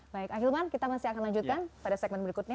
baik ahilman kita masih akan lanjutkan pada segmen berikutnya